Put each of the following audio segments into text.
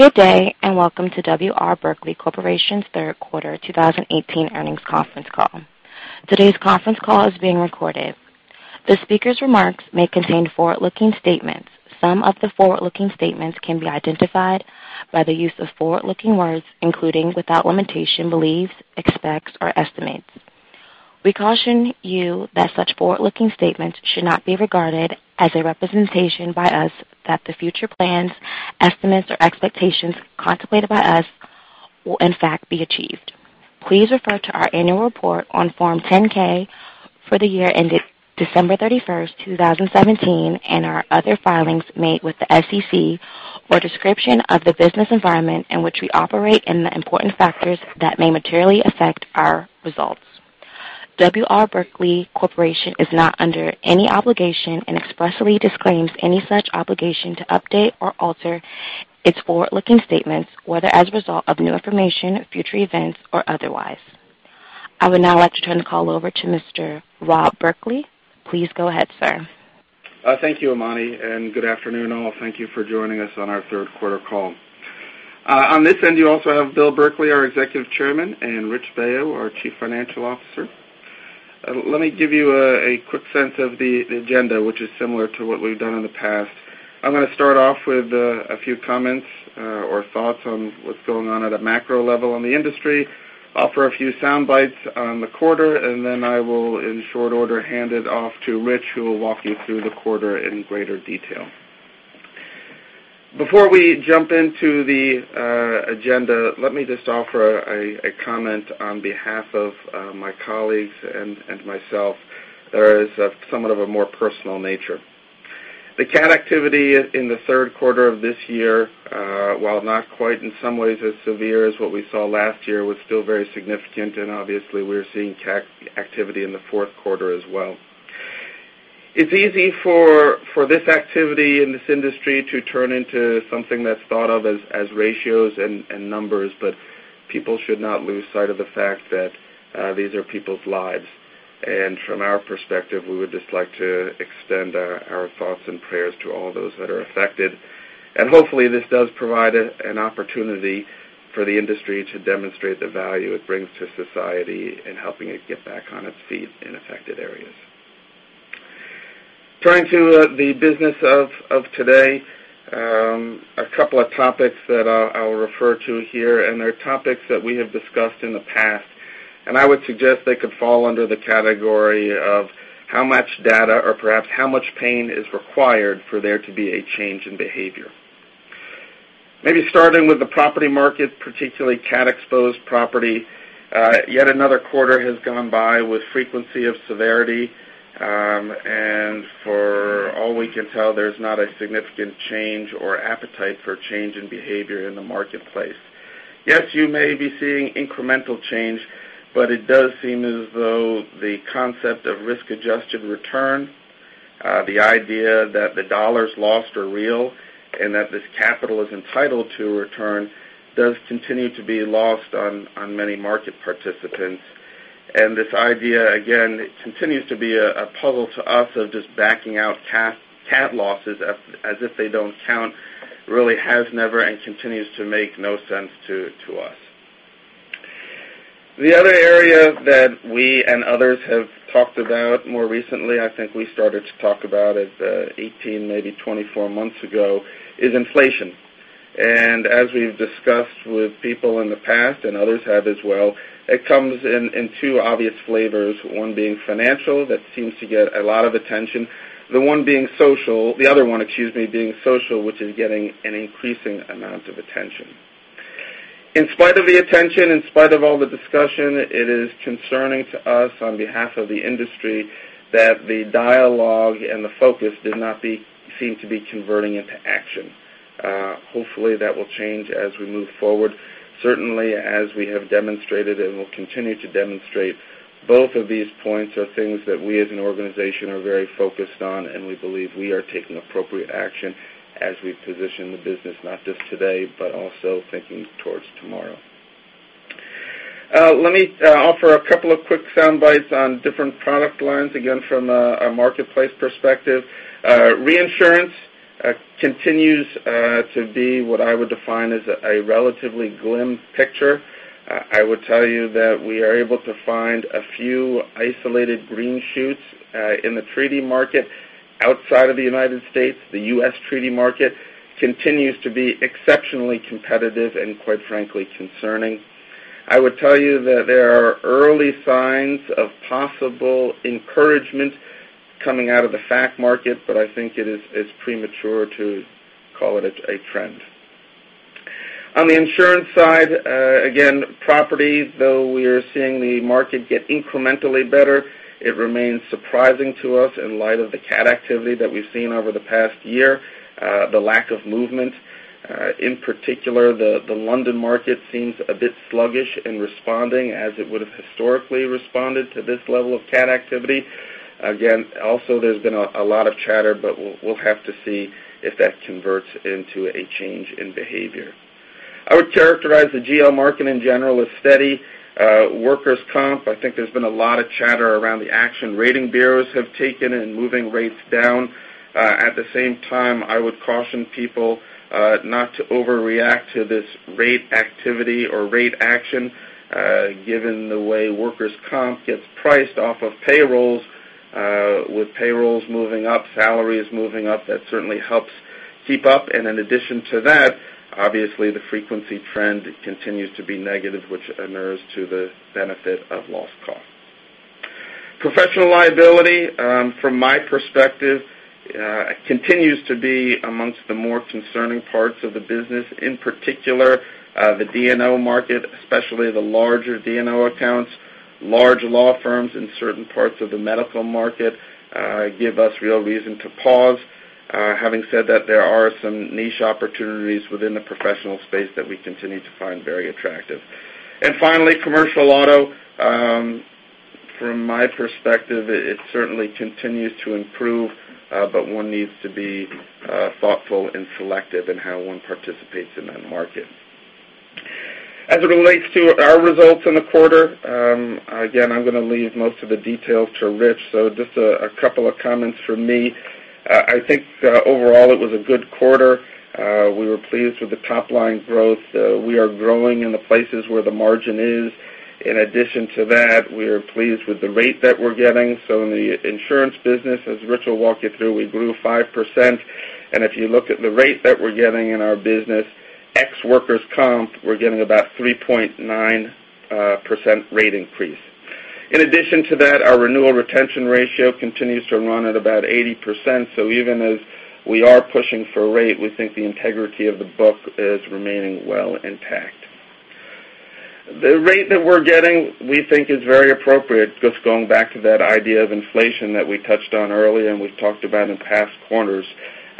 Good day, welcome to W. R. Berkley Corporation's third quarter 2018 earnings conference call. Today's conference call is being recorded. The speaker's remarks may contain forward-looking statements. Some of the forward-looking statements can be identified by the use of forward-looking words, including, without limitation, beliefs, expects, or estimates. We caution you that such forward-looking statements should not be regarded as a representation by us that the future plans, estimates, or expectations contemplated by us will in fact be achieved. Please refer to our annual report on Form 10-K for the year ended December 31st, 2017, and our other filings made with the SEC for a description of the business environment in which we operate and the important factors that may materially affect our results. W. R. Berkley Corporation is not under any obligation and expressly disclaims any such obligation to update or alter its forward-looking statements, whether as a result of new information, future events, or otherwise. I would now like to turn the call over to Mr. Rob Berkley. Please go ahead, sir. Thank you, Himani, good afternoon, all. Thank you for joining us on our third quarter call. On this end, you also have Bill Berkley, our Executive Chairman, Rich Baio, our Chief Financial Officer. Let me give you a quick sense of the agenda, which is similar to what we've done in the past. I'm going to start off with a few comments or thoughts on what's going on at a macro level in the industry, offer a few soundbites on the quarter, then I will, in short order, hand it off to Rich, who will walk you through the quarter in greater detail. Before we jump into the agenda, let me just offer a comment on behalf of my colleagues and myself that is of somewhat of a more personal nature. The cat activity in the third quarter of this year, while not quite in some ways as severe as what we saw last year, was still very significant, obviously, we're seeing cat activity in the fourth quarter as well. It's easy for this activity in this industry to turn into something that's thought of as ratios and numbers, people should not lose sight of the fact that these are people's lives. From our perspective, we would just like to extend our thoughts and prayers to all those that are affected. Hopefully, this does provide an opportunity for the industry to demonstrate the value it brings to society in helping it get back on its feet in affected areas. Turning to the business of today, a couple of topics that I'll refer to here, they're topics that we have discussed in the past. I would suggest they could fall under the category of how much data or perhaps how much pain is required for there to be a change in behavior. Starting with the property market, particularly cat-exposed property, yet another quarter has gone by with frequency of severity. For all we can tell, there's not a significant change or appetite for change in behavior in the marketplace. You may be seeing incremental change, but it does seem as though the concept of risk-adjusted return, the idea that the $ lost are real and that this capital is entitled to a return, does continue to be lost on many market participants. This idea, again, it continues to be a puzzle to us of just backing out cat losses as if they don't count, really has never and continues to make no sense to us. The other area that we and others have talked about more recently, I think we started to talk about it 18, maybe 24 months ago, is inflation. As we've discussed with people in the past, and others have as well, it comes in two obvious flavors, one being financial, that seems to get a lot of attention, the other one, excuse me, being social, which is getting an increasing amount of attention. In spite of the attention, in spite of all the discussion, it is concerning to us on behalf of the industry that the dialogue and the focus does not seem to be converting into action. Hopefully, that will change as we move forward. Certainly, as we have demonstrated and will continue to demonstrate, both of these points are things that we as an organization are very focused on, and we believe we are taking appropriate action as we position the business, not just today, but also thinking towards tomorrow. Let me offer a couple of quick soundbites on different product lines, again, from a marketplace perspective. Reinsurance continues to be what I would define as a relatively grim picture. I would tell you that we are able to find a few isolated green shoots in the treaty market outside of the U.S. The U.S. treaty market continues to be exceptionally competitive and, quite frankly, concerning. I would tell you that there are early signs of possible encouragement coming out of the FAC market, but I think it is premature to call it a trend. On the insurance side, again, property, though we are seeing the market get incrementally better, it remains surprising to us in light of the cat activity that we've seen over the past year, the lack of movement. In particular, the London market seems a bit sluggish in responding as it would have historically responded to this level of cat activity. Again, also, there's been a lot of chatter, but we'll have to see if that converts into a change in behavior. I would characterize the GL market in general as steady. Workers' comp, I think there's been a lot of chatter around the action rating bureaus have taken in moving rates down. At the same time, I would caution people not to overreact to this rate activity or rate action, given the way workers' comp gets priced off of payrolls, with payrolls moving up, salaries moving up, that certainly helps keep up. In addition to that, obviously, the frequency trend continues to be negative, which inures to the benefit of loss costs. Professional liability, from my perspective, continues to be amongst the more concerning parts of the business. In particular, the D&O market, especially the larger D&O accounts, large law firms in certain parts of the medical market, give us real reason to pause. Having said that, there are some niche opportunities within the professional space that we continue to find very attractive. Finally, commercial auto. From my perspective, it certainly continues to improve, but one needs to be thoughtful and selective in how one participates in that market. As it relates to our results in the quarter, again, I'm going to leave most of the details to Rich, just a couple of comments from me. I think overall, it was a good quarter. We were pleased with the top-line growth. We are growing in the places where the margin is. In addition to that, we are pleased with the rate that we're getting. In the insurance business, as Rich will walk you through, we grew 5%. If you look at the rate that we're getting in our business, ex workers' comp, we're getting about 3.9% rate increase. In addition to that, our renewal retention ratio continues to run at about 80%. Even as we are pushing for rate, we think the integrity of the book is remaining well intact. The rate that we're getting, we think is very appropriate, just going back to that idea of inflation that we touched on earlier and we've talked about in past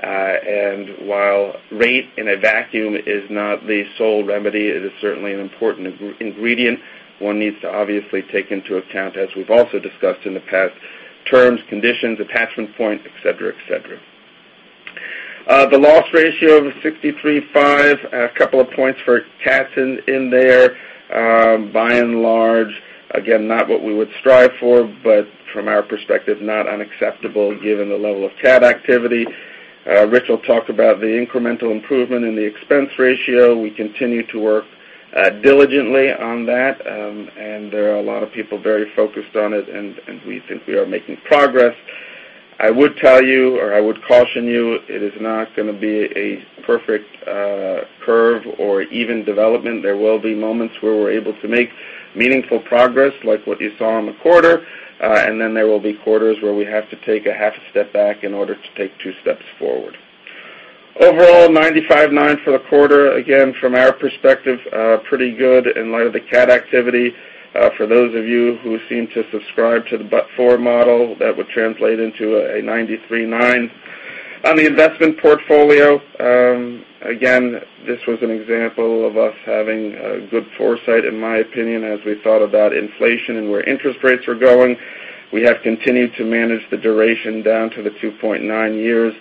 quarters. While rate in a vacuum is not the sole remedy, it is certainly an important ingredient. One needs to obviously take into account, as we've also discussed in the past, terms, conditions, attachment point, et cetera. The loss ratio of 63.5, a couple of points for cats in there. By and large, again, not what we would strive for, but from our perspective, not unacceptable given the level of cat activity. Rich will talk about the incremental improvement in the expense ratio. We continue to work diligently on that, and there are a lot of people very focused on it, and we think we are making progress. I would tell you, or I would caution you, it is not going to be a perfect curve or even development. There will be moments where we're able to make meaningful progress, like what you saw in the quarter. Then there will be quarters where we have to take a half step back in order to take two steps forward. Overall, 95.9 for the quarter. Again, from our perspective, pretty good in light of the cat activity. For those of you who seem to subscribe to the but-for model, that would translate into a 93.9. On the investment portfolio, again, this was an example of us having good foresight, in my opinion, as we thought about inflation and where interest rates were going. We have continued to manage the duration down to the 2.9 years.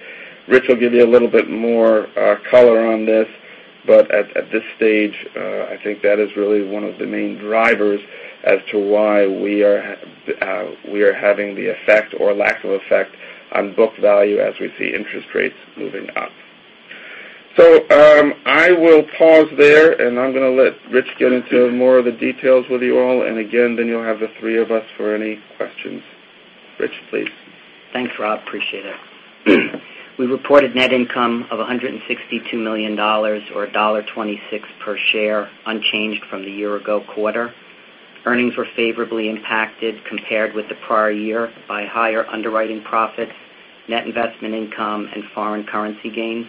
Rich will give you a little bit more color on this, but at this stage, I think that is really one of the main drivers as to why we are having the effect or lack of effect on book value as we see interest rates moving up. I will pause there and I'm going to let Rich get into more of the details with you all. Again, then you'll have the three of us for any questions. Rich, please. Thanks, Rob. Appreciate it. We reported net income of $162 million or $1.26 per share, unchanged from the year-ago quarter. Earnings were favorably impacted compared with the prior year by higher underwriting profits, net investment income, and foreign currency gains.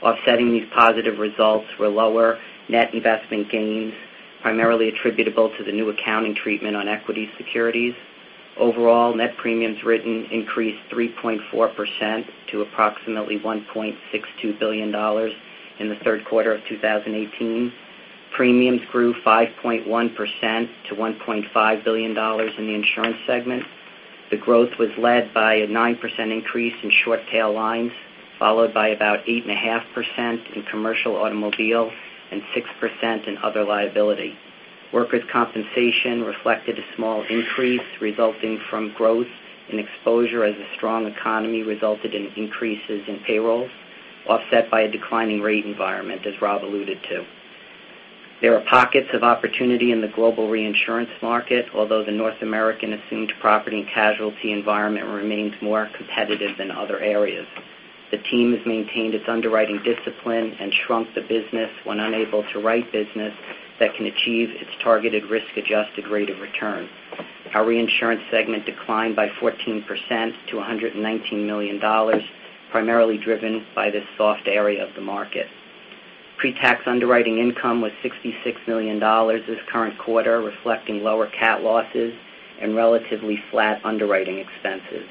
Offsetting these positive results were lower net investment gains, primarily attributable to the new accounting treatment on equity securities. Overall, net premiums written increased 3.4% to approximately $1.62 billion in the third quarter of 2018. Premiums grew 5.1% to $1.5 billion in the insurance segment. The growth was led by a 9% increase in short tail lines, followed by about 8.5% in commercial automobile and 6% in other liability. Workers' compensation reflected a small increase resulting from growth in exposure as the strong economy resulted in increases in payrolls, offset by a declining rate environment, as Rob alluded to. There are pockets of opportunity in the global reinsurance market, although the North American assumed property and casualty environment remains more competitive than other areas. The team has maintained its underwriting discipline and shrunk the business when unable to write business that can achieve its targeted risk-adjusted rate of return. Our reinsurance segment declined by 14% to $119 million, primarily driven by this soft area of the market. Pre-tax underwriting income was $66 million this current quarter, reflecting lower CAT losses and relatively flat underwriting expenses.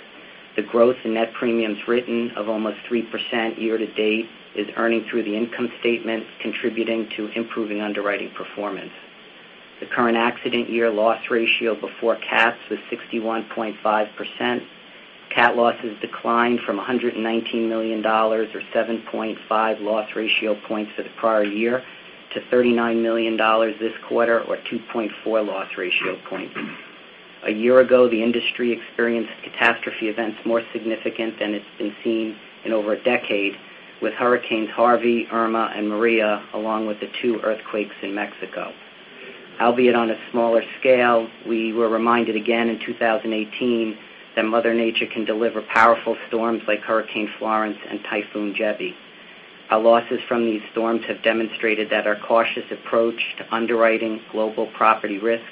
The growth in net premiums written of almost 3% year to date is earning through the income statement, contributing to improving underwriting performance. The current accident year loss ratio before CATs was 61.5%. CAT losses declined from $119 million or 7.5 loss ratio points for the prior year to $39 million this quarter or 2.4 loss ratio points. A year ago, the industry experienced catastrophe events more significant than it's been seen in over a decade with Hurricane Harvey, Hurricane Irma, and Hurricane Maria, along with the two earthquakes in Mexico. Albeit on a smaller scale, we were reminded again in 2018 that Mother Nature can deliver powerful storms like Hurricane Florence and Typhoon Jebi. Our losses from these storms have demonstrated that our cautious approach to underwriting global property risks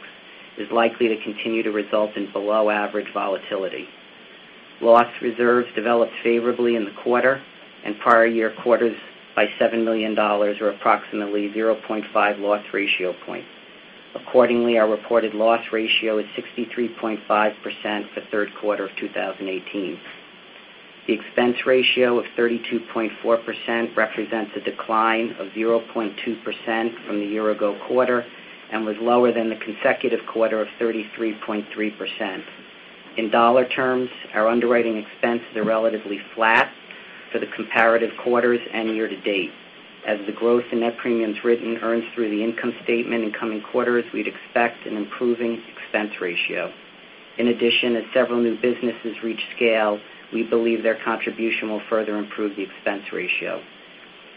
is likely to continue to result in below-average volatility. Loss reserves developed favorably in the quarter and prior year quarters by $7 million or approximately 0.5 loss ratio points. Accordingly, our reported loss ratio is 63.5% for the third quarter of 2018. The expense ratio of 32.4% represents a decline of 0.2% from the year-ago quarter and was lower than the consecutive quarter of 33.3%. In dollar terms, our underwriting expenses are relatively flat for the comparative quarters and year-to-date. As the growth in net premiums written earns through the income statement in coming quarters, we'd expect an improving expense ratio. In addition, as several new businesses reach scale, we believe their contribution will further improve the expense ratio.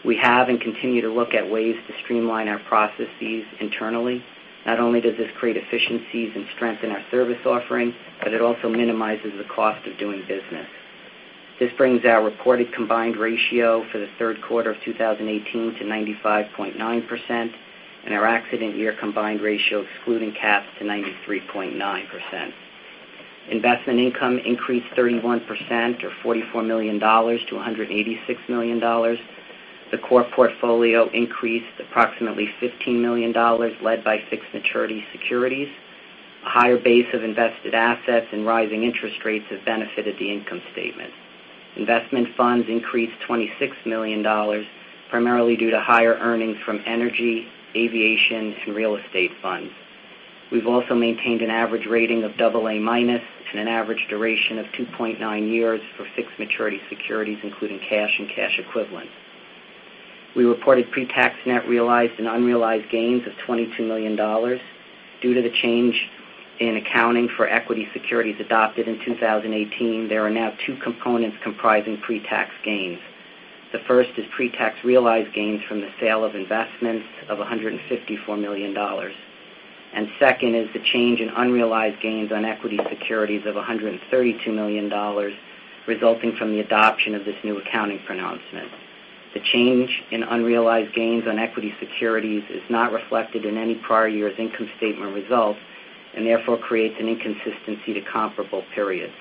We have and continue to look at ways to streamline our processes internally. Not only does this create efficiencies and strengthen our service offering, but it also minimizes the cost of doing business. This brings our reported combined ratio for the third quarter of 2018 to 95.9% and our accident year combined ratio excluding CATs to 93.9%. Investment income increased 31% or $44 million to $186 million. The core portfolio increased approximately $15 million, led by fixed maturity securities. A higher base of invested assets and rising interest rates have benefited the income statement. Investment funds increased $26 million, primarily due to higher earnings from energy, aviation, and real estate funds. We've also maintained an average rating of double A-minus and an average duration of 2.9 years for fixed maturity securities, including cash and cash equivalents. We reported pre-tax net realized and unrealized gains of $22 million. Due to the change in accounting for equity securities adopted in 2018, there are now two components comprising pre-tax gains. The first is pre-tax realized gains from the sale of investments of $154 million. Second is the change in unrealized gains on equity securities of $132 million resulting from the adoption of this new accounting pronouncement. The change in unrealized gains on equity securities is not reflected in any prior year's income statement results and therefore creates an inconsistency to comparable periods.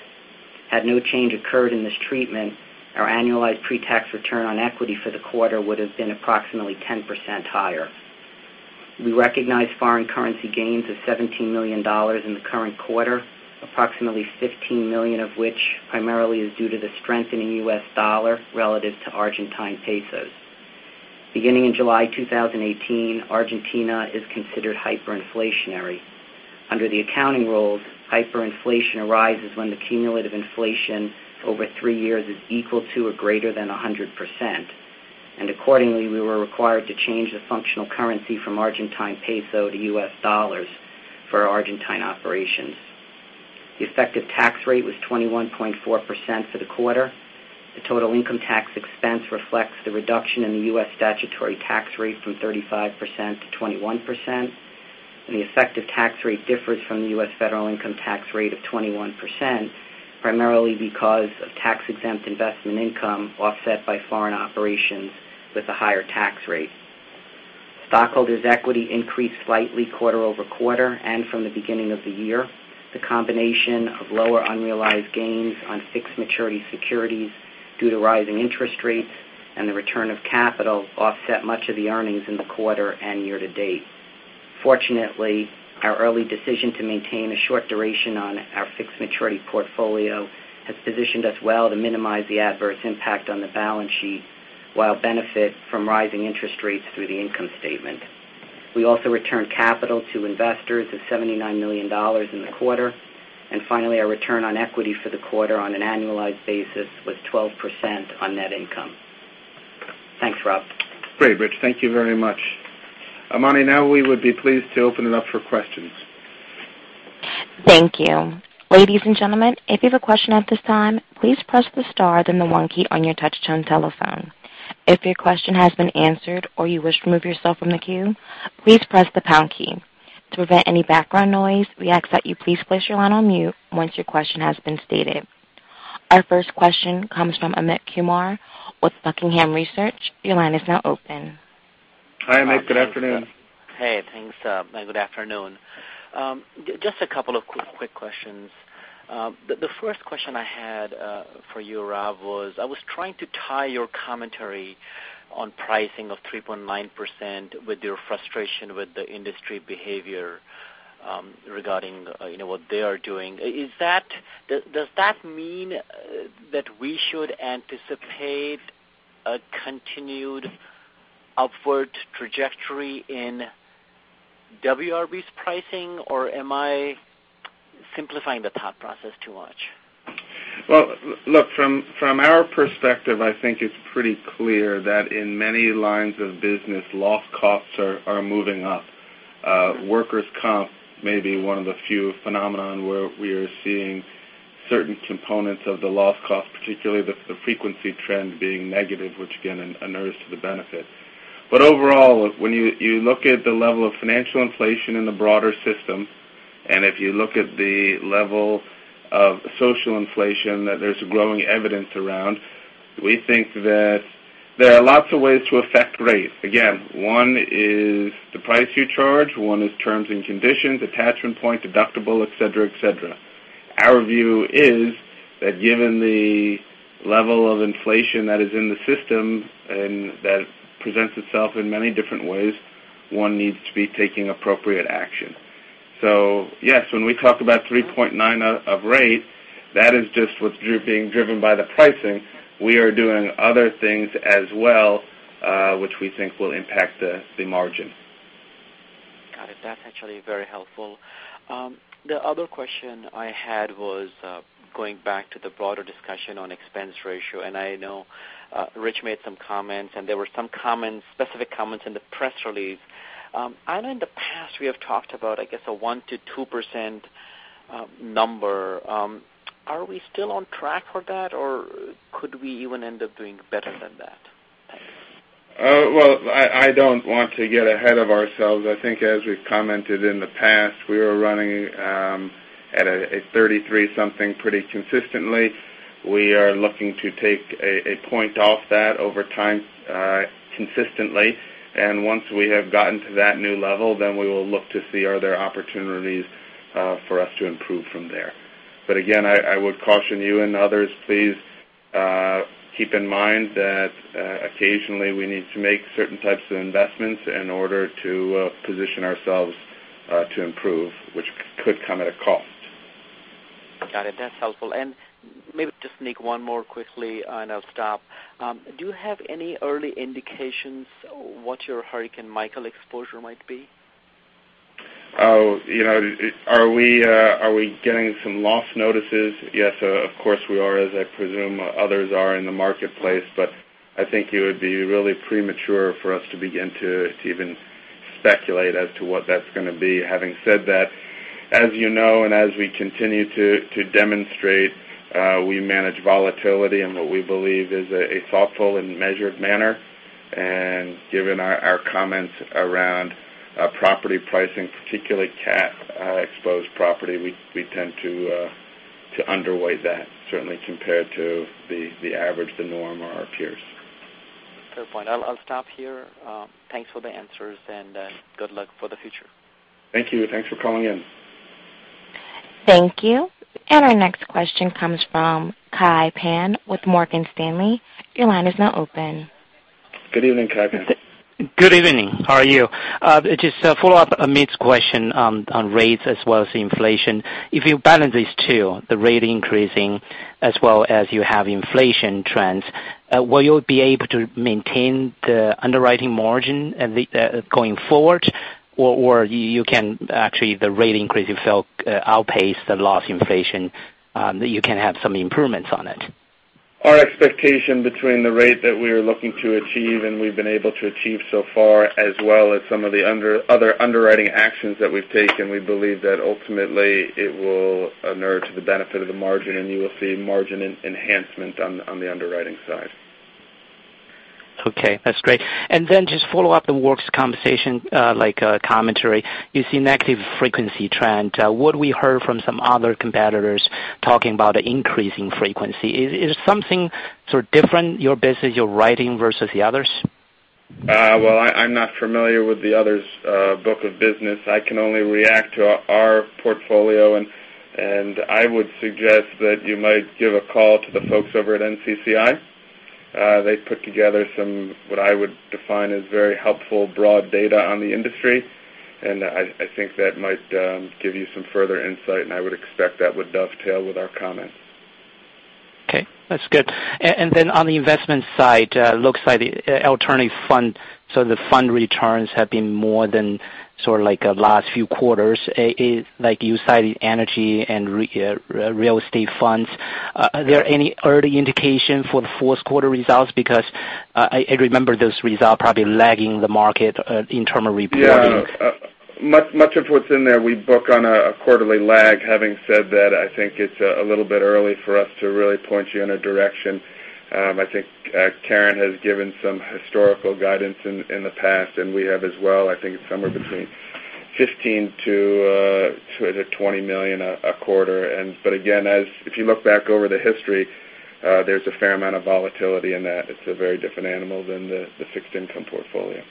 Had no change occurred in this treatment, our annualized pre-tax return on equity for the quarter would have been approximately 10% higher. We recognized foreign currency gains of $17 million in the current quarter, approximately $15 million of which primarily is due to the strengthening U.S. dollar relative to Argentine pesos. Beginning in July 2018, Argentina is considered hyperinflationary. Under the accounting rules, hyperinflation arises when the cumulative inflation over three years is equal to or greater than 100%, and accordingly, we were required to change the functional currency from Argentine peso to U.S. dollars for our Argentine operations. The effective tax rate was 21.4% for the quarter. The total income tax expense reflects the reduction in the U.S. statutory tax rate from 35% to 21%. The effective tax rate differs from the U.S. federal income tax rate of 21%, primarily because of tax-exempt investment income offset by foreign operations with a higher tax rate. Stockholders' equity increased slightly quarter-over-quarter and from the beginning of the year. The combination of lower unrealized gains on fixed maturity securities due to rising interest rates and the return of capital offset much of the earnings in the quarter and year-to-date. Fortunately, our early decision to maintain a short duration on our fixed maturity portfolio has positioned us well to minimize the adverse impact on the balance sheet while benefit from rising interest rates through the income statement. We also returned capital to investors of $79 million in the quarter. Finally, our return on equity for the quarter on an annualized basis was 12% on net income. Thanks, Rob. Great, Rich. Thank you very much. Himani, now we would be pleased to open it up for questions. Thank you. Ladies and gentlemen, if you have a question at this time, please press the star then the one key on your touchtone telephone. If your question has been answered or you wish to remove yourself from the queue, please press the pound key. To prevent any background noise, we ask that you please place your line on mute once your question has been stated. Our first question comes from Amit Kumar with Buckingham Research. Your line is now open. Hi, Amit. Good afternoon. Hey, thanks. Good afternoon. Just a couple of quick questions. The first question I had for you, Rob, was I was trying to tie your commentary on pricing of 3.9% with your frustration with the industry behavior Regarding what they are doing. Does that mean that we should anticipate a continued upward trajectory in WRB's pricing, or am I simplifying the thought process too much? Well, look, from our perspective, I think it's pretty clear that in many lines of business, loss costs are moving up. Workers' comp may be one of the few phenomenon where we are seeing certain components of the loss cost, particularly the frequency trend being negative, which again, enures to the benefit. Overall, when you look at the level of financial inflation in the broader system, and if you look at the level of social inflation that there's growing evidence around, we think that there are lots of ways to affect rates. Again, one is the price you charge, one is terms and conditions, attachment point, deductible, et cetera. Our view is that given the level of inflation that is in the system and that presents itself in many different ways, one needs to be taking appropriate action. Yes, when we talk about 3.9 of rate, that is just what's being driven by the pricing. We are doing other things as well, which we think will impact the margin. Got it. That's actually very helpful. The other question I had was going back to the broader discussion on expense ratio, and I know Rich made some comments, and there were some specific comments in the press release. I know in the past we have talked about, I guess, a 1%-2% number. Are we still on track for that, or could we even end up doing better than that? Thanks. Well, I don't want to get ahead of ourselves. I think as we've commented in the past, we were running at a 33-something pretty consistently. We are looking to take a point off that over time consistently. Once we have gotten to that new level, we will look to see are there opportunities for us to improve from there. Again, I would caution you and others, please keep in mind that occasionally we need to make certain types of investments in order to position ourselves to improve, which could come at a cost. Got it. That's helpful. Maybe just sneak one more quickly, and I'll stop. Do you have any early indications what your Hurricane Michael exposure might be? Are we getting some loss notices? Yes, of course, we are, as I presume others are in the marketplace. I think it would be really premature for us to begin to even speculate as to what that's going to be. Having said that, as you know, and as we continue to demonstrate, we manage volatility in what we believe is a thoughtful and measured manner. Given our comments around property pricing, particularly cat-exposed property, we tend to underway that, certainly compared to the average, the norm, or our peers. Fair point. I'll stop here. Thanks for the answers, good luck for the future. Thank you. Thanks for calling in. Thank you. Our next question comes from Kai Pan with Morgan Stanley. Your line is now open. Good evening, Kai Pan. Good evening. How are you? A follow-up Amit's question on rates as well as inflation. If you balance these two, the rate increasing as well as you have inflation trends, will you be able to maintain the underwriting margin going forward? You can actually, the rate increase itself outpace the loss inflation, that you can have some improvements on it? Our expectation between the rate that we are looking to achieve and we've been able to achieve so far, as well as some of the other underwriting actions that we've taken, we believe that ultimately it will enure to the benefit of the margin, and you will see margin enhancement on the underwriting side. Okay, that's great. Just follow up the workers' comp conversation, like a commentary. You see negative frequency trend. What we heard from some other competitors talking about increasing frequency. Is something sort of different your business, your writing versus the others? Well, I'm not familiar with the others' book of business. I can only react to our portfolio. I would suggest that you might give a call to the folks over at NCCI. They put together some, what I would define as very helpful broad data on the industry. I think that might give you some further insight. I would expect that would dovetail with our comments. Okay, that's good. Then on the investment side, looks like the alternative fund, so the fund returns have been more than sort of like last few quarters. Like you cited energy and real estate funds. Are there any early indication for the fourth quarter results? Because I remember those results probably lagging the market in term of reporting. Yeah. Much of what's in there, we book on a quarterly lag. Having said that, I think it's a little bit early for us to really point you in a direction. I think Karen has given some historical guidance in the past, and we have as well. I think it's somewhere between $15 million-$20 million a quarter. Again, if you look back over the history, there's a fair amount of volatility in that. It's a very different animal than the fixed income portfolio.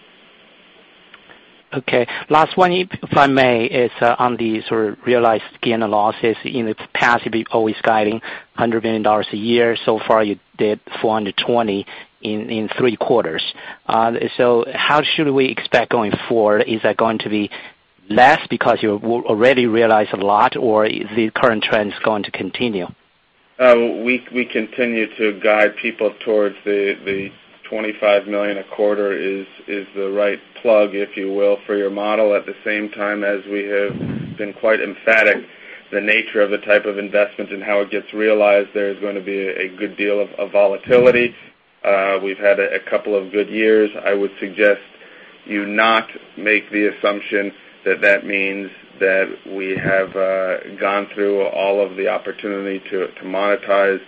Okay. Last one, if I may, is on the sort of realized gain and losses. In the past, you've been always guiding $100 million a year. Far, you did $420 million in three quarters. How should we expect going forward? Is that going to be less because you already realized a lot, or the current trend is going to continue? We continue to guide people towards the $25 million a quarter is the right plug, if you will, for your model. At the same time, as we have been quite emphatic, the nature of the type of investment and how it gets realized, there is going to be a good deal of volatility. We've had a couple of good years. I would suggest you not make the assumption that that means that we have gone through all of the opportunity to monetize.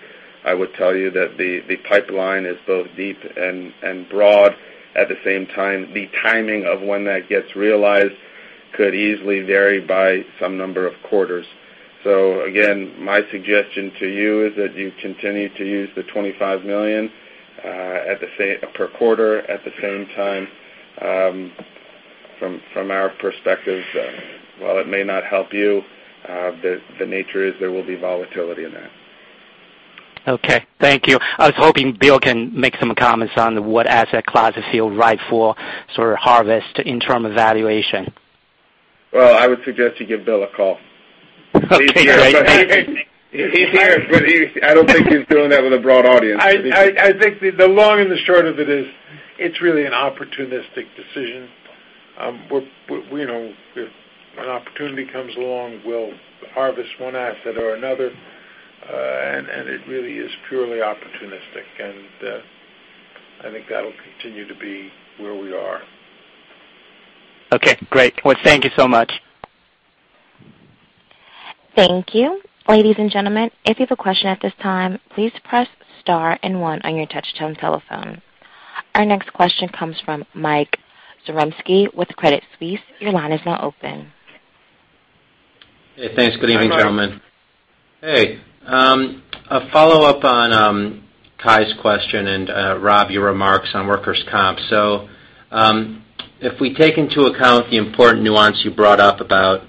I would tell you that the pipeline is both deep and broad. At the same time, the timing of when that gets realized could easily vary by some number of quarters. Again, my suggestion to you is that you continue to use the $25 million per quarter. At the same time, from our perspective, while it may not help you, the nature is there will be volatility in that. Okay, thank you. I was hoping Bill can make some comments on what asset classes he'll write for harvest in term evaluation. Well, I would suggest you give Bill a call. Okay, great. He's here, but I don't think he's doing that with a broad audience. I think the long and the short of it is, it's really an opportunistic decision. If an opportunity comes along, we'll harvest one asset or another, and it really is purely opportunistic. I think that'll continue to be where we are. Okay, great. Well, thank you so much. Thank you. Ladies and gentlemen, if you have a question at this time, please press star and one on your touch-tone telephone. Our next question comes from Mike Zaremski with Credit Suisse. Your line is now open. Hey, thanks. Good evening, gentlemen. Hi, Mike. Hey. A follow-up on Kai's question and Rob, your remarks on workers' comp. If we take into account the important nuance you brought up about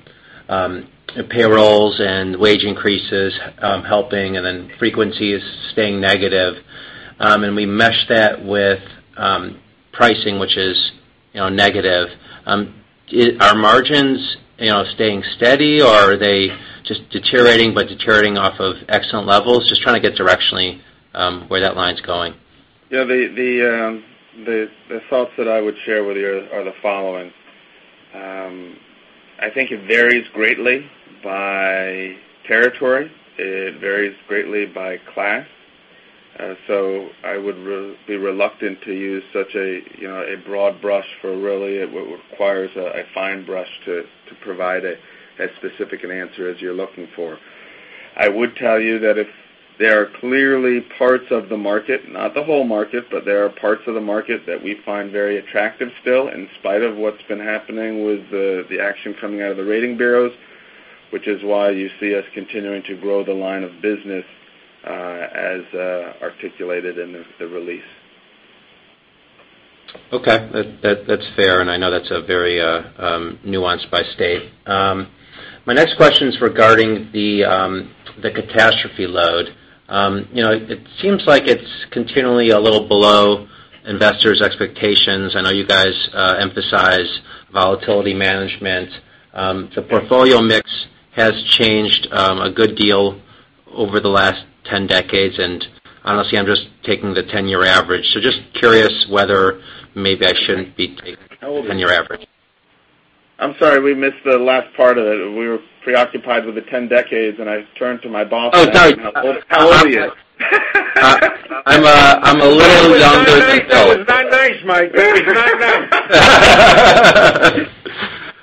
payrolls and wage increases helping and then frequencies staying negative, and we mesh that with pricing, which is negative, are margins staying steady, or are they just deteriorating but deteriorating off of excellent levels? Just trying to get directionally where that line's going. The thoughts that I would share with you are the following. I think it varies greatly by territory. It varies greatly by class. I would be reluctant to use such a broad brush for really it requires a fine brush to provide as specific an answer as you're looking for. I would tell you that there are clearly parts of the market, not the whole market, but there are parts of the market that we find very attractive still, in spite of what's been happening with the action coming out of the rating bureaus, which is why you see us continuing to grow the line of business as articulated in the release. Okay. That's fair, and I know that's very nuanced by state. My next question is regarding the catastrophe load. It seems like it's continually a little below investors' expectations. I know you guys emphasize volatility management. The portfolio mix has changed a good deal over the last 10 decades, and honestly, I'm just taking the 10-year average. Just curious whether maybe I shouldn't be taking the 10-year average. I'm sorry, we missed the last part of it. We were preoccupied with the 10 decades, and I turned to my boss. Oh, sorry I go, "How old are you? I'm a little younger than Bill. That was not nice, Mike. That was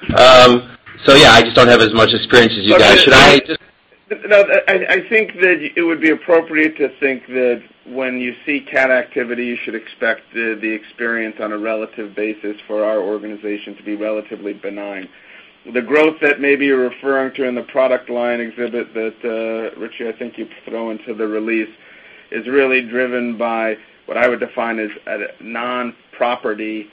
not nice. Yeah, I just don't have as much experience as you guys. Should I? No, I think that it would be appropriate to think that when you see cat activity, you should expect the experience on a relative basis for our organization to be relatively benign. The growth that maybe you're referring to in the product line exhibit that, Richie, I think you put into the release, is really driven by what I would define as non-property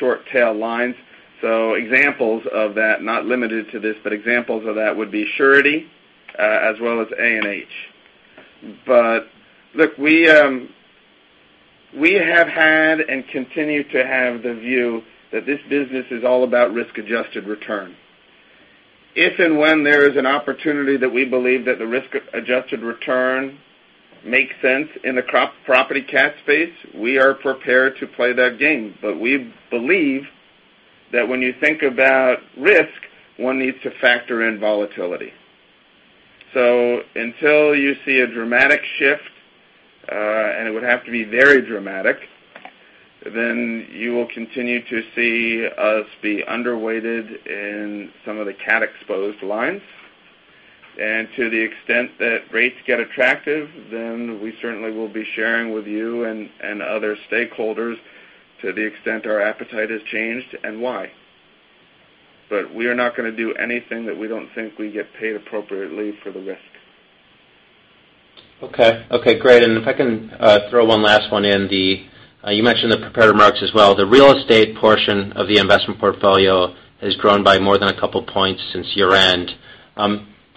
short-tail lines. Examples of that, not limited to this, but examples of that would be surety as well as A&H. Look, we have had and continue to have the view that this business is all about risk-adjusted return. If and when there is an opportunity that we believe that the risk-adjusted return makes sense in the property cat space, we are prepared to play that game. We believe that when you think about risk, one needs to factor in volatility. Until you see a dramatic shift, and it would have to be very dramatic, then you will continue to see us be underweighted in some of the cat-exposed lines. To the extent that rates get attractive, then we certainly will be sharing with you and other stakeholders to the extent our appetite has changed and why. We are not going to do anything that we don't think we get paid appropriately for the risk. Okay, great. If I can throw one last one in. You mentioned the prepared remarks as well. The real estate portion of the investment portfolio has grown by more than a couple points since year-end.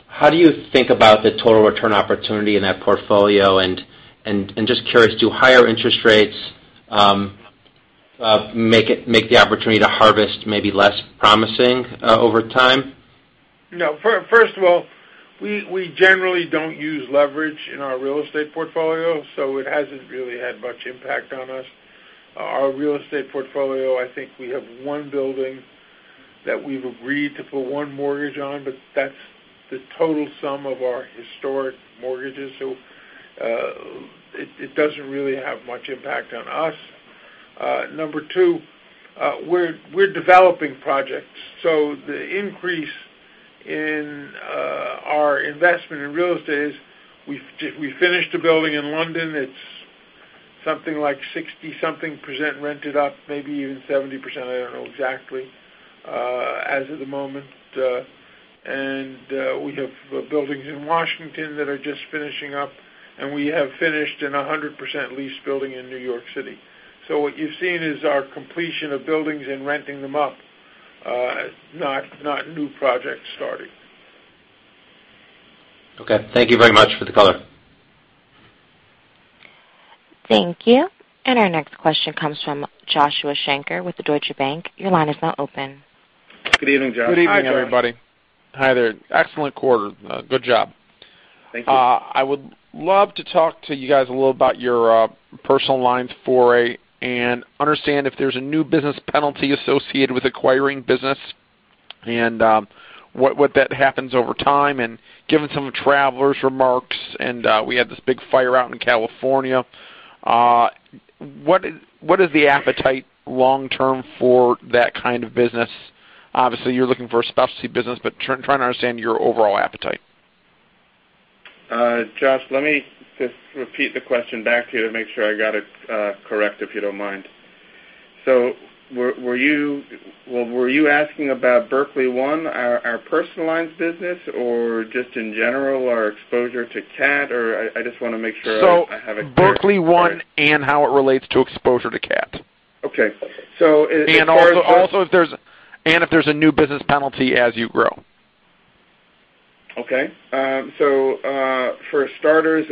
How do you think about the total return opportunity in that portfolio? Just curious, do higher interest rates Make the opportunity to harvest maybe less promising over time? No. First of all, we generally don't use leverage in our real estate portfolio, so it hasn't really had much impact on us. Our real estate portfolio, I think we have one building that we've agreed to put one mortgage on, but that's the total sum of our historic mortgages, so it doesn't really have much impact on us. Number 2, we're developing projects. The increase in our investment in real estate is we finished a building in London. It's something like 60-something% rented up, maybe even 70%, I don't know exactly, as of the moment. We have buildings in Washington that are just finishing up, and we have finished in a 100% leased building in New York City. What you've seen is our completion of buildings and renting them up, not new projects starting. Okay. Thank you very much for the color. Thank you. Our next question comes from Joshua Shanker with Deutsche Bank. Your line is now open. Good evening, Josh. Good evening, everybody. Hi, Josh. Hi there. Excellent quarter. Good job. Thank you. I would love to talk to you guys a little about your personal lines foray and understand if there's a new business penalty associated with acquiring business and would that happens over time and given some of Travelers remarks and we had this big fire out in California. What is the appetite long term for that kind of business? Obviously, you're looking for a specialty business, but trying to understand your overall appetite. Josh, let me just repeat the question back to you to make sure I got it correct, if you don't mind. Were you asking about Berkley One, our personal lines business, or just in general our exposure to cat, or I just want to make sure I have it clear? Berkley One and how it relates to exposure to cat. Okay. If there's a new business penalty as you grow. Okay. For starters,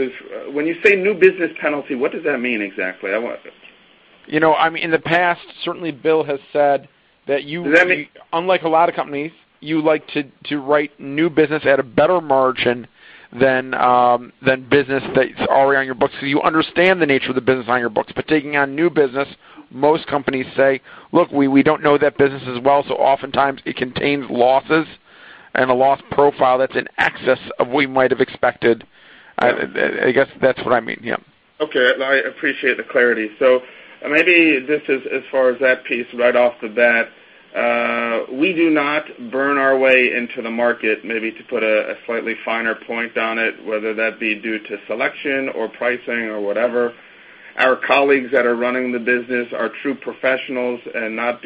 when you say new business penalty, what does that mean exactly? In the past, certainly Bill has said that you- Does that mean- Unlike a lot of companies, you like to write new business at a better margin than business that's already on your books. You understand the nature of the business on your books. Taking on new business, most companies say, "Look, we don't know that business as well." Oftentimes it contains losses and a loss profile that's in excess of we might have expected. I guess that's what I mean. Yeah. Okay. I appreciate the clarity. Maybe just as far as that piece right off the bat, we do not burn our way into the market, maybe to put a slightly finer point on it, whether that be due to selection or pricing or whatever. Our colleagues that are running the business are true professionals, and not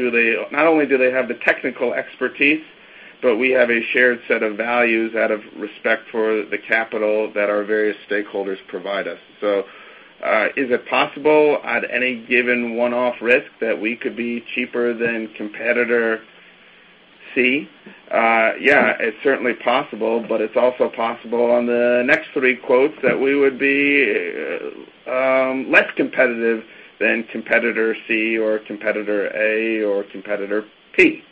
only do they have the technical expertise, but we have a shared set of values out of respect for the capital that our various stakeholders provide us. Is it possible at any given one-off risk that we could be cheaper than competitor C? Yeah, it's certainly possible, but it's also possible on the next three quotes that we would be less competitive than competitor C or competitor A or competitor P.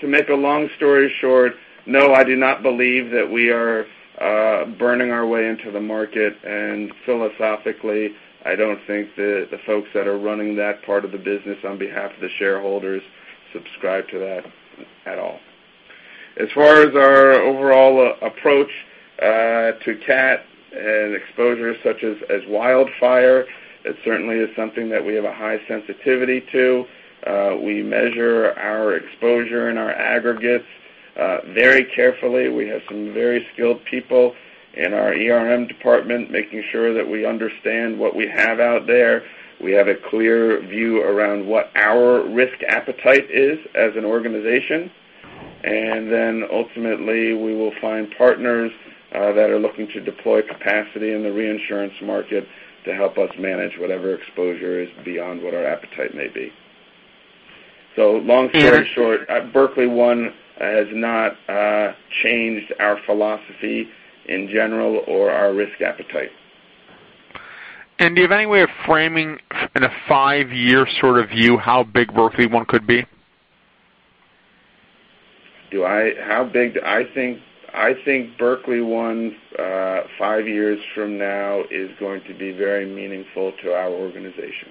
To make a long story short, no, I do not believe that we are burning our way into the market. Philosophically, I don't think the folks that are running that part of the business on behalf of the shareholders subscribe to that at all. As far as our overall approach to cat and exposure such as wildfire, it certainly is something that we have a high sensitivity to. We measure our exposure and our aggregates very carefully. We have some very skilled people in our ERM department making sure that we understand what we have out there. We have a clear view around what our risk appetite is as an organization. Then ultimately, we will find partners that are looking to deploy capacity in the reinsurance market to help us manage whatever exposure is beyond what our appetite may be. Long story short, Berkley One has not changed our philosophy in general or our risk appetite. Do you have any way of framing in a five-year sort of view how big Berkley One could be? I think Berkley One, five years from now is going to be very meaningful to our organization.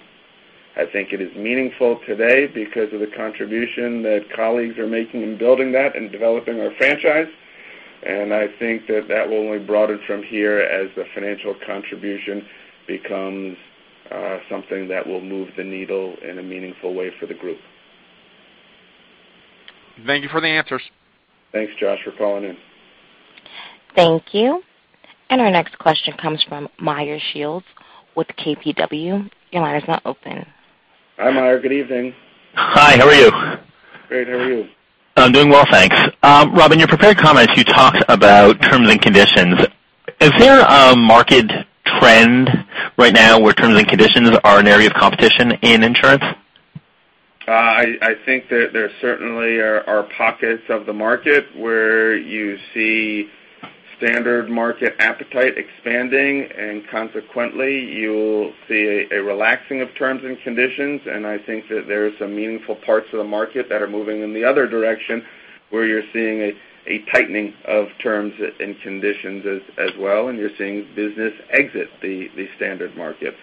I think it is meaningful today because of the contribution that colleagues are making in building that and developing our franchise. I think that that will only broaden from here as the financial contribution becomes something that will move the needle in a meaningful way for the group. Thank you for the answers. Thanks, Josh, for calling in. Thank you. Our next question comes from Meyer Shields with KBW. Your line is now open. Hi, Meyer. Good evening. Hi. How are you? Great. How are you? I'm doing well, thanks. Robert, your prepared comments, you talked about terms and conditions. Is there a market trend right now where terms and conditions are an area of competition in insurance? I think that there certainly are pockets of the market where you see standard market appetite expanding. Consequently, you'll see a relaxing of terms and conditions. I think that there are some meaningful parts of the market that are moving in the other direction, where you're seeing a tightening of terms and conditions as well. You're seeing business exit the standard market.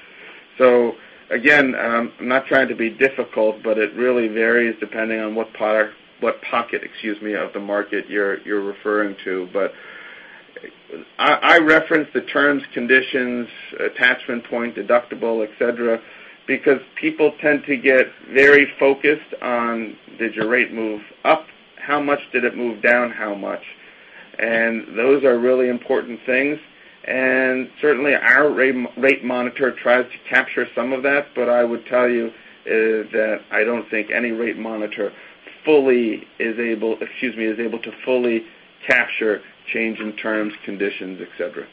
Again, I'm not trying to be difficult, it really varies depending on what pocket, excuse me, of the market you're referring to. I reference the terms, conditions, attachment point, deductible, et cetera, because people tend to get very focused on did your rate move up? How much did it move down? How much? Those are really important things. Certainly our rate monitor tries to capture some of that, but I would tell you that I don't think any rate monitor is able to fully capture change in terms, conditions, et cetera.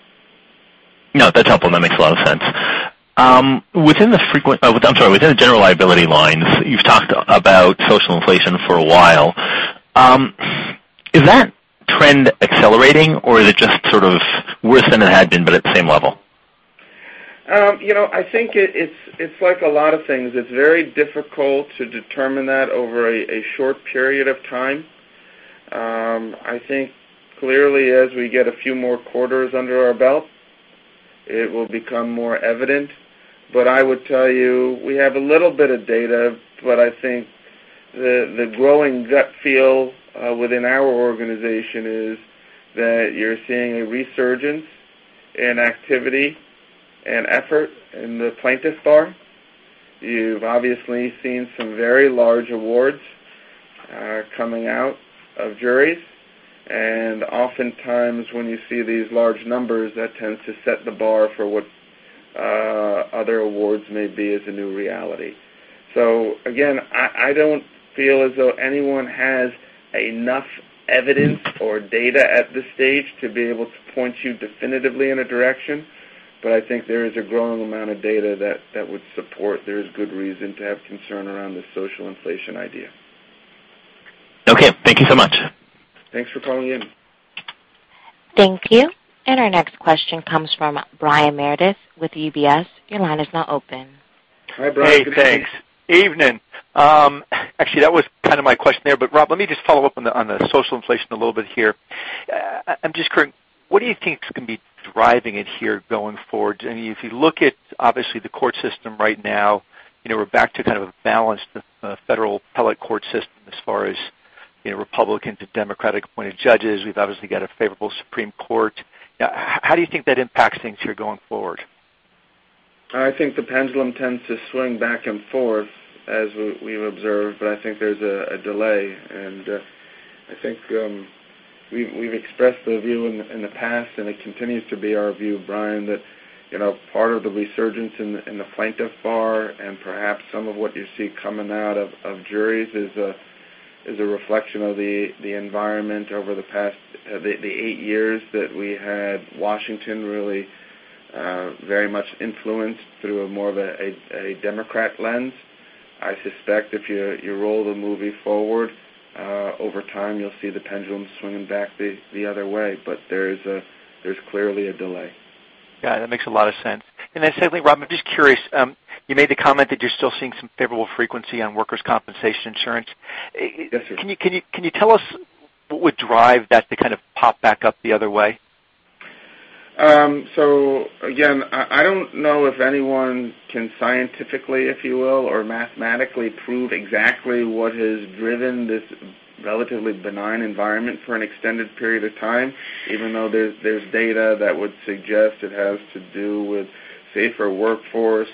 That's helpful. That makes a lot of sense. Within the general liability lines, you've talked about social inflation for a while. Is that trend accelerating or is it just worse than it had been, but at the same level? I think it's like a lot of things. It's very difficult to determine that over a short period of time. I think clearly as we get a few more quarters under our belt, it will become more evident. I would tell you, we have a little bit of data, but I think the growing gut feel within our organization is that you're seeing a resurgence in activity and effort in the plaintiffs' bar. You've obviously seen some very large awards coming out of juries, and oftentimes when you see these large numbers, that tends to set the bar for what other awards may be as a new reality. Again, I don't feel as though anyone has enough evidence or data at this stage to be able to point you definitively in a direction, but I think there is a growing amount of data that would support there is good reason to have concern around the social inflation idea. Okay. Thank you so much. Thanks for calling in. Thank you. Our next question comes from Brian Meredith with UBS. Your line is now open. Hi, Brian. Good evening. Hey, thanks. Evening. Actually, that was kind of my question there. Rob, let me just follow up on the social inflation a little bit here. I'm just curious, what do you think is going to be driving it here going forward? If you look at, obviously, the court system right now, we're back to kind of a balanced federal appellate court system as far as Republican to Democratic-appointed judges. We've obviously got a favorable Supreme Court. How do you think that impacts things here going forward? I think the pendulum tends to swing back and forth as we've observed, but I think there's a delay, and I think we've expressed the view in the past, and it continues to be our view, Brian, that part of the resurgence in the plaintiff bar and perhaps some of what you see coming out of juries is a reflection of the environment over the past eight years that we had Washington really very much influenced through more of a Democrat lens. I suspect if you roll the movie forward, over time, you'll see the pendulum swinging back the other way. There's clearly a delay. Yeah, that makes a lot of sense. Secondly, Rob, I'm just curious. You made the comment that you're still seeing some favorable frequency on workers' compensation insurance. Yes, sir. Can you tell us what would drive that to kind of pop back up the other way? Again, I don't know if anyone can scientifically, if you will, or mathematically prove exactly what has driven this relatively benign environment for an extended period of time, even though there's data that would suggest it has to do with safer workforce,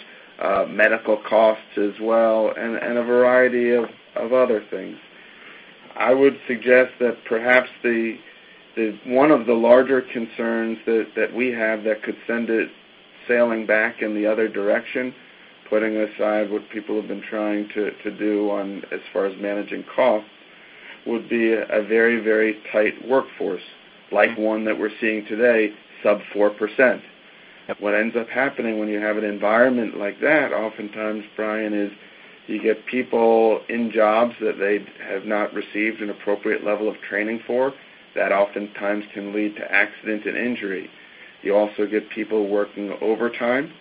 medical costs as well, and a variety of other things. I would suggest that perhaps one of the larger concerns that we have that could send it sailing back in the other direction, putting aside what people have been trying to do as far as managing costs, would be a very tight workforce, like one that we're seeing today, sub 4%. What ends up happening when you have an environment like that, oftentimes, Brian, is you get people in jobs that they have not received an appropriate level of training for. That oftentimes can lead to accident and injury. You also get people working overtime,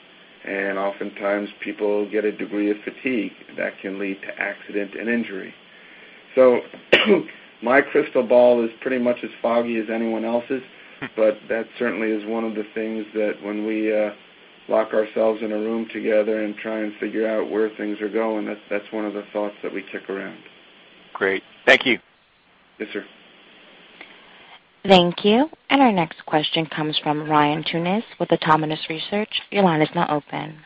and oftentimes people get a degree of fatigue. That can lead to accident and injury. My crystal ball is pretty much as foggy as anyone else's, but that certainly is one of the things that when we lock ourselves in a room together and try and figure out where things are going, that's one of the thoughts that we kick around. Great. Thank you. Yes, sir. Thank you. Our next question comes from Ryan Tunis with the Autonomous Research. Your line is now open.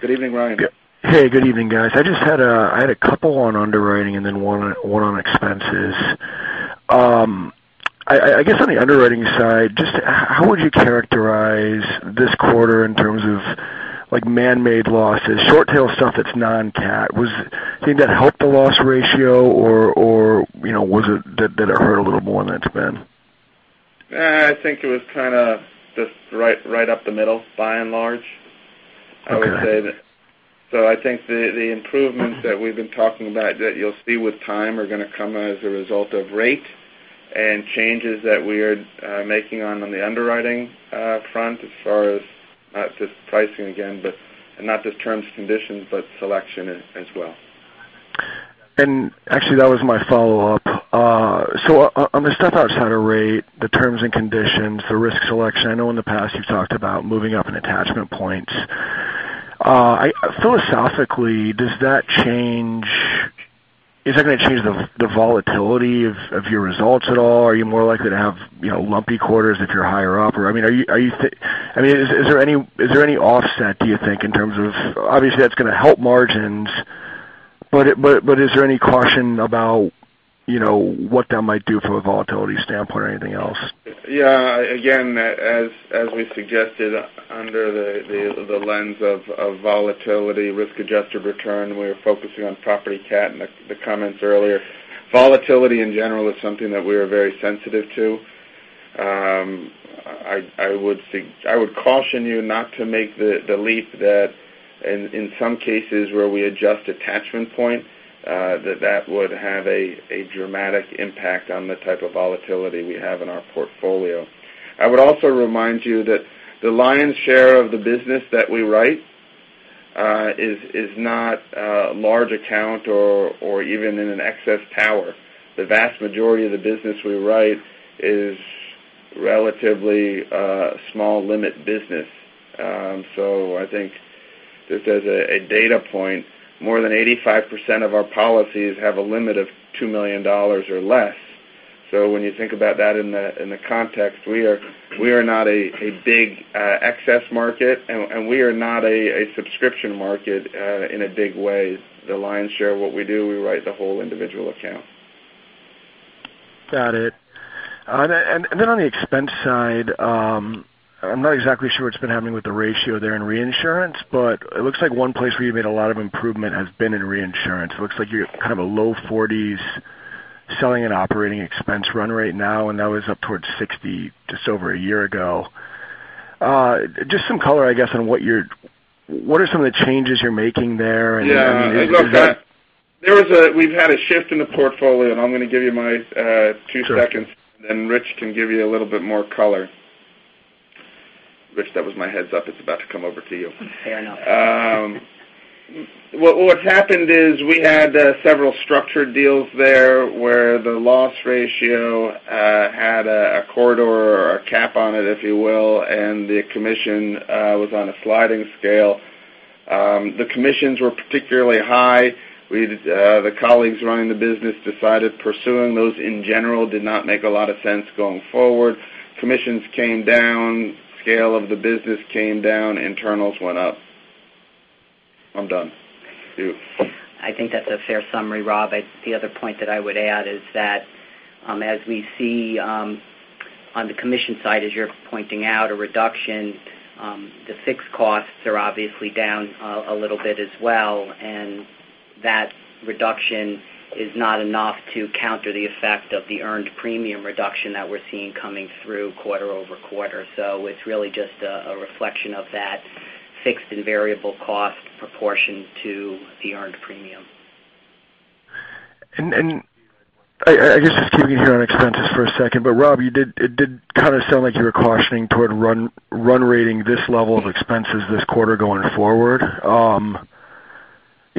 Good evening, Ryan. Hey, good evening, guys. I had a couple on underwriting and then one on expenses. I guess on the underwriting side, just how would you characterize this quarter in terms of man-made losses, short tail stuff that's non-cat? Do you think that helped the loss ratio, or did it hurt a little more than it's been? I think it was kind of just right up the middle by and large. Okay. I think the improvements that we've been talking about that you'll see with time are going to come as a result of rate and changes that we are making on the underwriting front as far as not just pricing again, but not just terms, conditions, but selection as well. Actually, that was my follow-up. On the step outside of rate, the terms and conditions, the risk selection, I know in the past you've talked about moving up in attachment points. Philosophically, is that going to change the volatility of your results at all? Are you more likely to have lumpy quarters if you're higher up? Is there any offset, do you think, in terms of, obviously, that's going to help margins, but is there any caution about what that might do from a volatility standpoint or anything else? Yeah. Again, as we suggested under the lens of volatility, risk-adjusted return, we were focusing on property cat in the comments earlier. Volatility, in general, is something that we are very sensitive to. I would caution you not to make the leap that in some cases where we adjust attachment point, that that would have a dramatic impact on the type of volatility we have in our portfolio. I would also remind you that the lion's share of the business that we write is not a large account or even in an excess tower. The vast majority of the business we write is relatively small limit business. I think just as a data point, more than 85% of our policies have a limit of $2 million or less. When you think about that in the context, we are not a big excess market, and we are not a subscription market in a big way. The lion's share of what we do, we write the whole individual account. Got it. Then on the expense side, I'm not exactly sure what's been happening with the ratio there in reinsurance, but it looks like one place where you made a lot of improvement has been in reinsurance. It looks like you're kind of a low 40s selling and operating expense run right now, and that was up towards 60 just over a year ago. Just some color, I guess, on what are some of the changes you're making there and- Yeah. We've had a shift in the portfolio, and I'm going to give you my two seconds, then Rich can give you a little bit more color. Rich, that was my heads up. It's about to come over to you. Fair enough. What's happened is we had several structured deals there where the loss ratio had a corridor or a cap on it, if you will, and the commission was on a sliding scale. The commissions were particularly high. The colleagues running the business decided pursuing those in general did not make a lot of sense going forward. Commissions came down, scale of the business came down, internals went up. I'm done. It's you. I think that's a fair summary, Rob. The other point that I would add is that as we see on the commission side, as you're pointing out, a reduction, the fixed costs are obviously down a little bit as well. That reduction is not enough to counter the effect of the earned premium reduction that we're seeing coming through quarter-over-quarter. It's really just a reflection of that fixed and variable cost proportion to the earned premium. I guess just keeping here on expenses for a second, Rob, it did kind of sound like you were cautioning toward run rating this level of expenses this quarter going forward.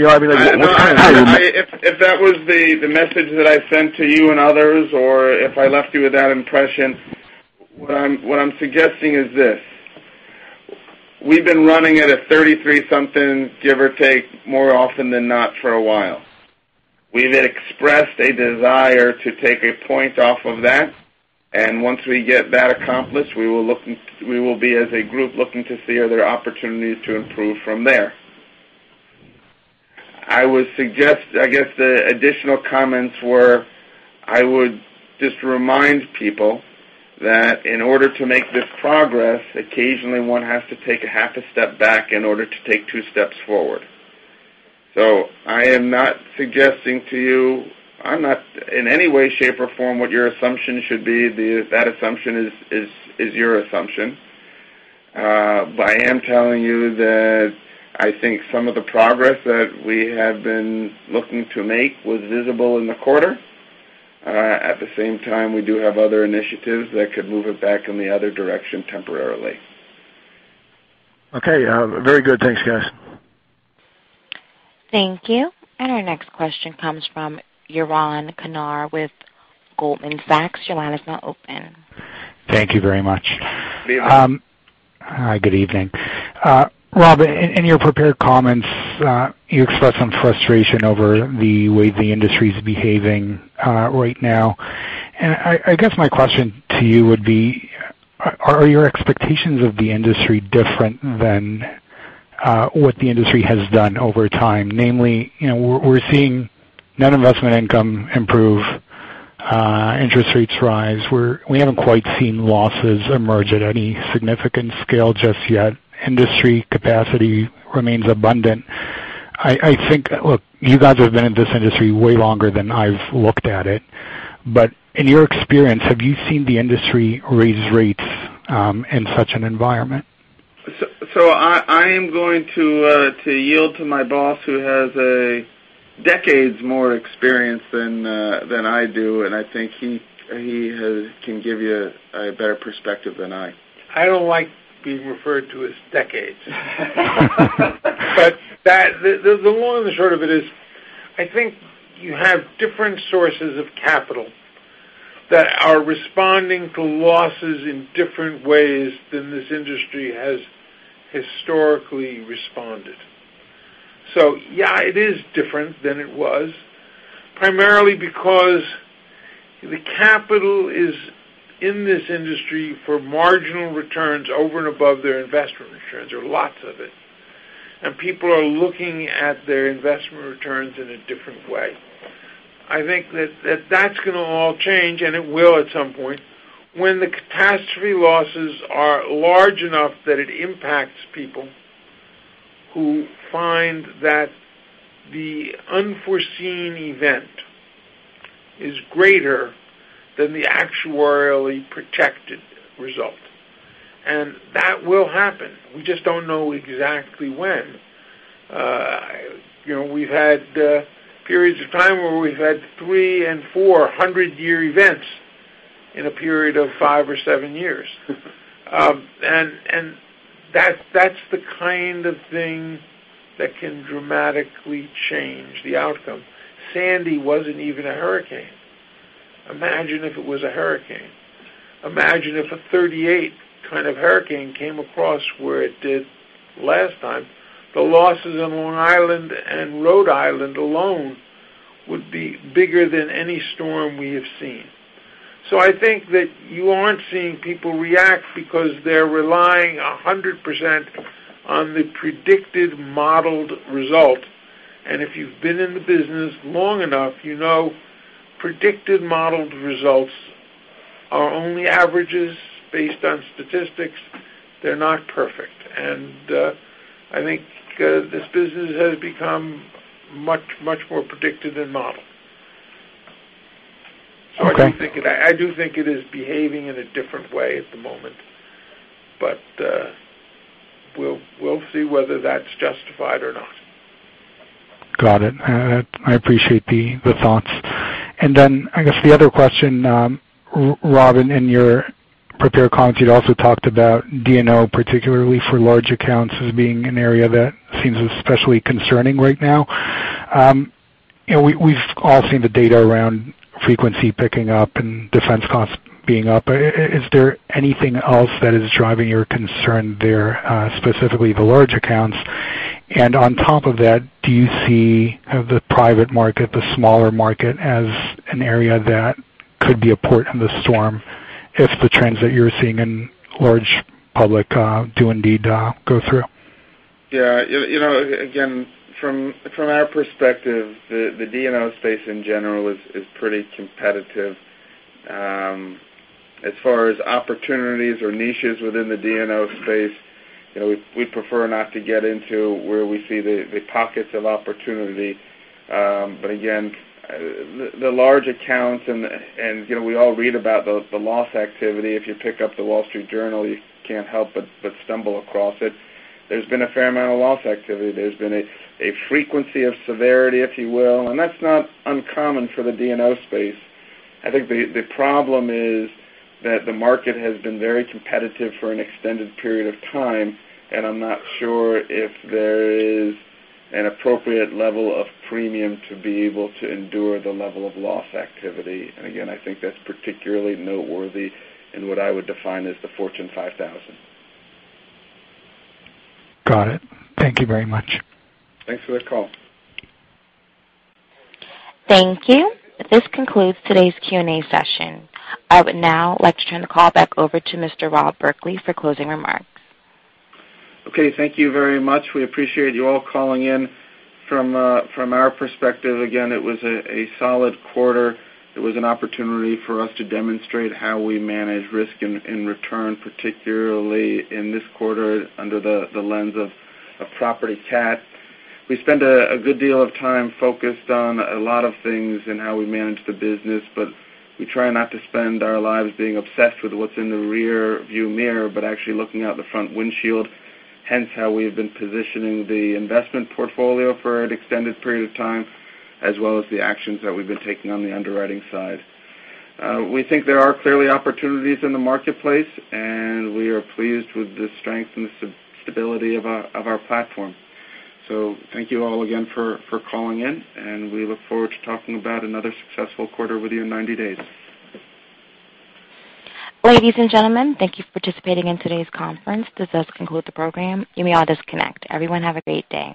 If that was the message that I sent to you and others, or if I left you with that impression, what I'm suggesting is this. We've been running at a 33 something, give or take, more often than not for a while. We had expressed a desire to take a point off of that. Once we get that accomplished, we will be as a group looking to see are there opportunities to improve from there. I guess the additional comments were, I would just remind people that in order to make this progress, occasionally one has to take a half a step back in order to take two steps forward. I am not suggesting to you, I'm not in any way, shape, or form what your assumption should be. That assumption is your assumption. I am telling you that I think some of the progress that we have been looking to make was visible in the quarter. At the same time, we do have other initiatives that could move it back in the other direction temporarily. Okay. Very good. Thanks, guys. Thank you. Our next question comes from Yaron Kinar with Goldman Sachs. Your line is now open. Thank you very much. Yaron. Hi, good evening. Rob, in your prepared comments, you expressed some frustration over the way the industry's behaving right now. I guess my question to you would be, are your expectations of the industry different than what the industry has done over time? Namely, we're seeing net investment income improve, interest rates rise. We haven't quite seen losses emerge at any significant scale just yet. Industry capacity remains abundant. I think, look, you guys have been in this industry way longer than I've looked at it. In your experience, have you seen the industry raise rates in such an environment? I am going to yield to my boss, who has decades more experience than I do, and I think he can give you a better perspective than I. I don't like being referred to as decades. The long and short of it is, I think you have different sources of capital that are responding to losses in different ways than this industry has historically responded. Yeah, it is different than it was, primarily because the capital is in this industry for marginal returns over and above their investment returns. There are lots of it, and people are looking at their investment returns in a different way. I think that's going to all change, and it will at some point, when the catastrophe losses are large enough that it impacts people who find that the unforeseen event is greater than the actuarially protected result. That will happen. We just don't know exactly when. We've had periods of time where we've had 300 and 400-year events in a period of 5 or 7 years. That's the kind of thing that can dramatically change the outcome. Hurricane Sandy wasn't even a hurricane. Imagine if it was a hurricane. Imagine if a 1938 kind of hurricane came across where it did last time. The losses on Long Island and Rhode Island alone would be bigger than any storm we have seen. I think that you aren't seeing people react because they're relying 100% on the predicted modeled result. If you've been in the business long enough, you know predicted modeled results are only averages based on statistics. They're not perfect. I think this business has become much more predicted than modeled. Okay. I do think it is behaving in a different way at the moment, but we'll see whether that's justified or not. Got it. I appreciate the thoughts. Then, I guess the other question, Rob, in your prepared comments, you'd also talked about D&O, particularly for large accounts, as being an area that seems especially concerning right now. We've all seen the data around frequency picking up and defense costs being up. Is there anything else that is driving your concern there, specifically the large accounts? On top of that, do you see the private market, the smaller market, as an area that could be a port in the storm if the trends that you're seeing in large public do indeed go through? Again, from our perspective, the D&O space in general is pretty competitive. As far as opportunities or niches within the D&O space, we prefer not to get into where we see the pockets of opportunity. Again, the large accounts, and we all read about the loss activity. If you pick up The Wall Street Journal, you can't help but stumble across it. There's been a fair amount of loss activity. There's been a frequency of severity, if you will, and that's not uncommon for the D&O space. I think the problem is that the market has been very competitive for an extended period of time, and I'm not sure if there is an appropriate level of premium to be able to endure the level of loss activity. Again, I think that's particularly noteworthy in what I would define as the Fortune 5000. Got it. Thank you very much. Thanks for that call. Thank you. This concludes today's Q&A session. I would now like to turn the call back over to Mr. Rob Berkley for closing remarks. Okay, thank you very much. We appreciate you all calling in. From our perspective, again, it was a solid quarter. It was an opportunity for us to demonstrate how we manage risk in return, particularly in this quarter under the lens of property cat. We spend a good deal of time focused on a lot of things and how we manage the business, but we try not to spend our lives being obsessed with what's in the rear-view mirror, but actually looking out the front windshield, hence how we have been positioning the investment portfolio for an extended period of time, as well as the actions that we've been taking on the underwriting side. We think there are clearly opportunities in the marketplace, and we are pleased with the strength and the stability of our platform. Thank you all again for calling in, and we look forward to talking about another successful quarter with you in 90 days. Ladies and gentlemen, thank you for participating in today's conference. This does conclude the program. You may all disconnect. Everyone have a great day.